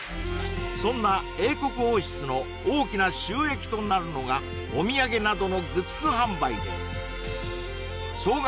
そんな英国王室の大きな収益となるのがお土産などのグッズ販売で総額